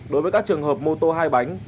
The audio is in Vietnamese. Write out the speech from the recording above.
đối với các trường hợp mô tô hai bánh